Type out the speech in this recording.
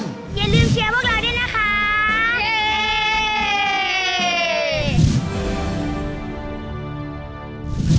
อย่าลืมเชียร์พวกเราด้วยนะคะ